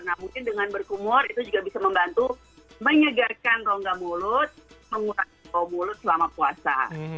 nah mungkin dengan berkumur itu juga bisa membantu menyegarkan rongga mulut mengurangi bau mulut selama puasa